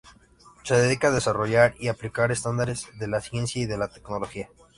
Se dedica a desarrollar y aplicar estándares de la ciencia y de la tecnología.